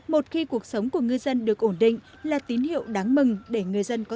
một khi cuộc sống của ngư dân được ổn định là tín hiệu đáng mừng để người dân có